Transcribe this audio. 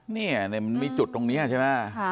นี่มันมีจุดตรงนี้ใช่ไหม